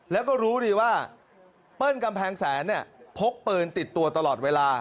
แล้วก็รู้ดีว่าเปิ้ลกำแพงแสนพกปืนติดตัวตลอดเวลา